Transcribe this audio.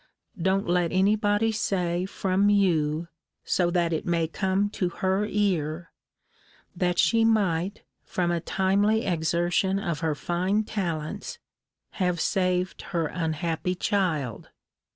Don't let any body say from you, so that it may come to her ear, that she might, from a timely exertion of her fine talents, have saved her unhappy child.